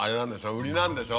売りなんでしょ？